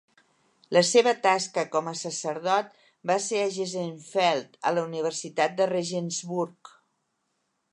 La seva tasca com a sacerdot va ser a Geisenfeld, a la universitat de Regensburg.